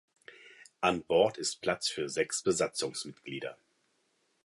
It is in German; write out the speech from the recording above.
An Bord ist Platz für sechs Besatzungsmitglieder.